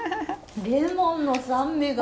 レモンの酸味が！